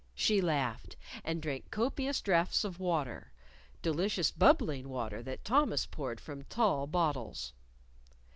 She laughed, and drank copious draughts of water delicious bubbling water that Thomas poured from tall bottles.